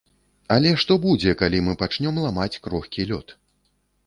Але што будзе, калі мы пачнём ламаць крохкі лёд?